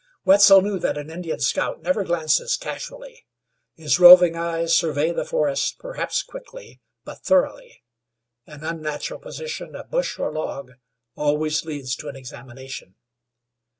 Wetzel knew that an Indian scout never glances casually; his roving eyes survey the forest, perhaps quickly, but thoroughly. An unnatural position of bush or log always leads to an examination.